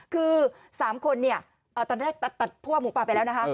คือ๓คนตอนแรกตัดผัวหมูปากไปแล้วนะครับ